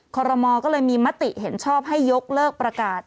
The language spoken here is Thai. คอรมอก็เลยมีมติเห็นชอบให้ยกเลิกประกาศ